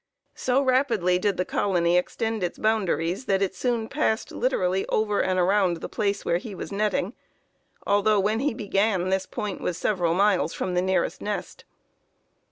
So rapidly did the colony extend its boundaries that it soon passed literally over and around the place where he was netting, although when he began, this point was several miles from the nearest nest.